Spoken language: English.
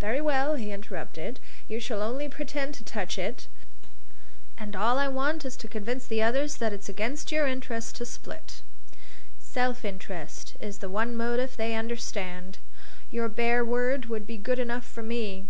"Very well!" he interrupted. "You shall only pretend to touch it. All I want is to convince the others that it's against your interest to split. Self interest is the one motive they understand. Your bare word would be good enough for me."